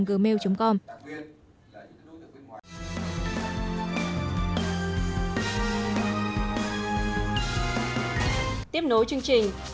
tiếp nối chương trình